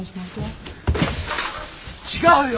違うよ。